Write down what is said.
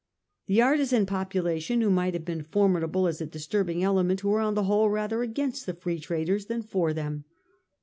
The artisan population who might have been formidable as a disturbing element were on the whole rather against the Free Traders than for them.